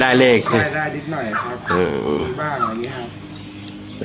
ได้ได้นิดหน่อยครับบ้านอย่างนี้ครับ